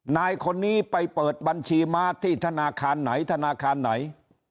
นายคนนี้ไปเปิดบัญชีม้าที่ธนาคารไหนธนาคารไหน